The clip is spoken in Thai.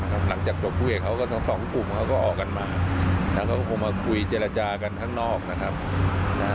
หลังจากจบมวยเขาก็สองกลุ่มเขาก็ออกกันมาเขาก็คงมาคุยเจรจากันข้างนอกนะครับ